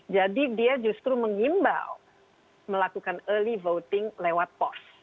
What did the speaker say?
jadi dia justru mengimbau melakukan early voting lewat post